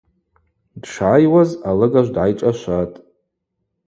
Дшгӏайуаз алыгажв дгӏайшӏашвахтӏ.